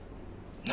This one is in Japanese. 何？